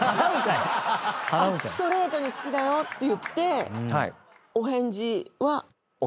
ストレートに「好きだよ」って言ってお返事は。